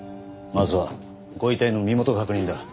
まずはご遺体の身元確認だ。